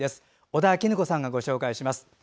尾田衣子さんがご紹介します。